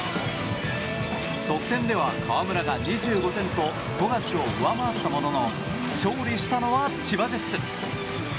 得点では河村が２５点と富樫を上回ったものの勝利したのは千葉ジェッツ。